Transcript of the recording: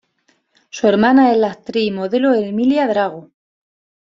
Su hermana es la actriz y modelo Emilia Drago.